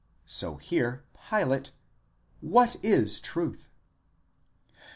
5 so here Pilate: what ἧς truth?